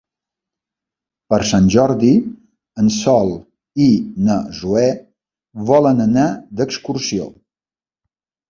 Per Sant Jordi en Sol i na Zoè volen anar d'excursió.